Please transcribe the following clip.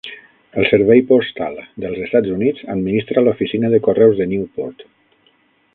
El Servei Postal dels Estats Units administra l'oficina de correus de Newport.